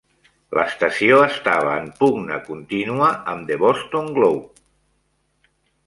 L'estació estava en pugna contínua amb "The Boston Globe".